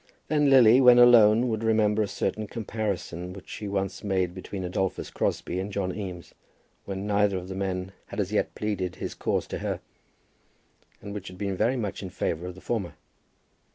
Then Lily, when alone, would remember a certain comparison which she once made between Adolphus Crosbie and John Eames, when neither of the men had as yet pleaded his cause to her, and which had been very much in favour of the former.